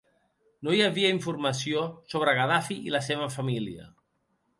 No hi havia informació sobre Gaddafi i la seva família.